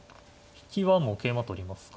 引きはもう桂馬取りますか。